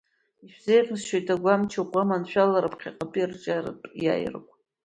Ишәзеиӷьасшьоит агәамч ӷәӷәа, аманшәалара, ԥхьаҟатәи арҿиаратә иааирақәа!